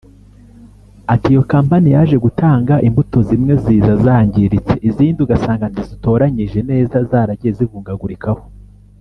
Ati “Iyo kampani yaje gutanga imbuto zimwe ziza zangiritse izindi ugasanga ntizitoranyije neza zaragiye zivungagurikaho